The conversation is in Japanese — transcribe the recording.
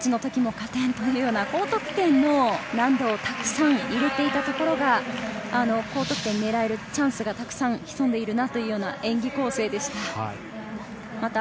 長い時のキャッチの時も加点というような高得点の難度をたくさん入れていたところが高得点を狙えるチャンスがたくさん潜んでいるなという演技構成でした。